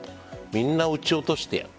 みんな撃ち落としてやる。